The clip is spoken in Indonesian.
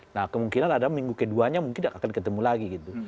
nah kemungkinan ada minggu keduanya mungkin akan ketemu lagi gitu